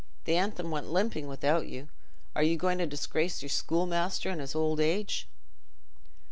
The anthem went limping without you. Are you going to disgrace your schoolmaster in his old age?"